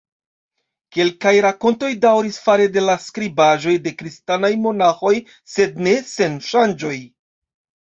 Kelkaj rakontoj daŭris fare de la skribaĵoj de Kristanaj monaĥoj, sed ne sen ŝanĝoj.